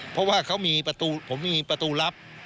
เพราะว่าเขามีประตูผมมีประตูลับ